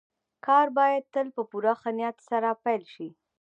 کار بايد تل په پوره ښه نيت سره پيل شي.